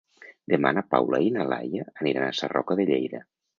Demà na Paula i na Laia aniran a Sarroca de Lleida.